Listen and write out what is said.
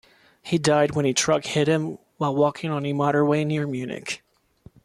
He died when a truck hit him while walking on a motorway near Munich.